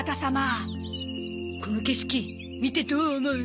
この景色見てどう思う？